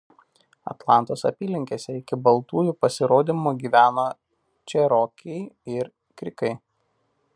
Atlantos apylinkėse iki baltųjų pasirodymo gyveno čerokiai ir krikai.